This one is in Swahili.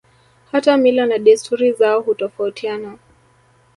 Hata mila na desturi zao hutofautiana